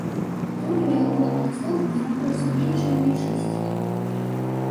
Тут у яго на службе знаходзяцца меншыя нячысцікі.